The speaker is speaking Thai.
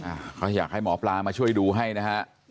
อา้คุณจะอยากให้หมอปลามาช่วยดูให้นะฮะ